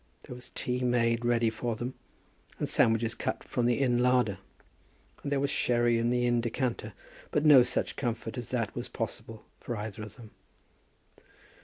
There was tea made ready for them, and sandwiches cut from the Inn larder. And there was sherry in the Inn decanter. But no such comfort as that was possible for either of them.